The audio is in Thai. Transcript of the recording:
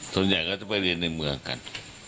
ส่วนใหญ่ก็จะไปเรียนในเมืองกัน